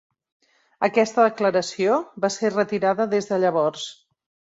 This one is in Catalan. Aquesta declaració va ser retirada des de llavors.